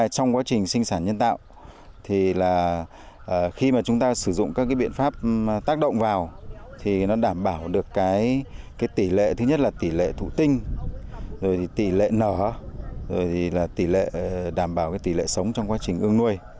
trong quá trình sinh sản nhân tạo thì là khi mà chúng ta sử dụng các biện pháp tác động vào thì nó đảm bảo được tỷ lệ thứ nhất là tỷ lệ thụ tinh rồi thì tỷ lệ nở rồi thì là tỷ lệ đảm bảo tỷ lệ sống trong quá trình ương nuôi